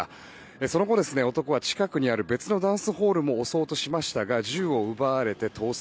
その後、男は近くにある別のダンスホールも襲おうとしましたが銃を奪われて逃走。